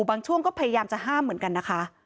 บางช่วงก็พยายามจะห้ามเหมือนกันนะคะ